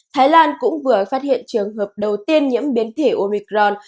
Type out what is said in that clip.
thái lan cũng vừa phát hiện trường hợp đầu tiên nhiễm biến thể oricron